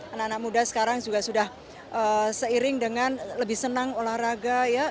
anak anak muda sekarang juga sudah seiring dengan lebih senang olahraga ya